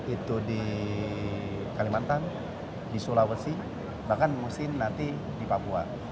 itu di kalimantan di sulawesi bahkan mungkin nanti di papua